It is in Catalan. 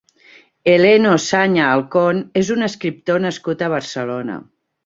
Heleno Saña Alcón és un escriptor nascut a Barcelona.